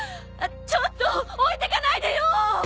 ちょっと置いてかないでよ！